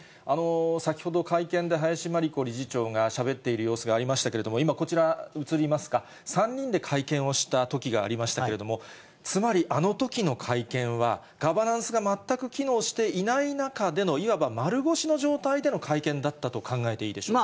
先ほど会見で、林真理子理事長がしゃべっている様子がありましたけれども、今、こちら映りますか、３人で会見をしたときがありましたけれども、つまりあのときの会見は、ガバナンスが全く機能していない中での、いわば丸腰の状態での会見だったと考えていいでしょうか。